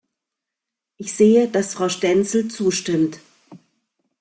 Ich sehe, dass Frau Stenzel zustimmt.